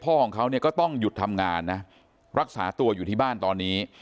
พ่อของเขาเนี่ยก็ต้องหยุดทำงานนะรักษาตัวอยู่ที่บ้านตอนนี้